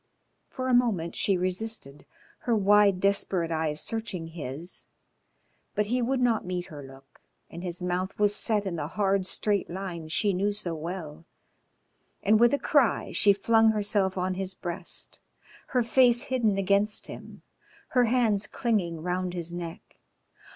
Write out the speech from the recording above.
For a moment she resisted, her wide, desperate eyes searching his, but he would not meet her look, and his mouth was set in the hard straight line she knew so well, and with a cry she flung herself on his breast, her face hidden against him, her hands clinging round his neck.